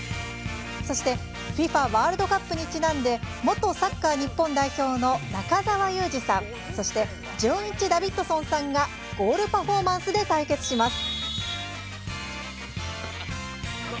そしてＦＩＦＡワールドカップにちなんで元サッカー日本代表の中澤佑二さん、そしてじゅんいちダビッドソンさんがゴールパフォーマンスで対決します。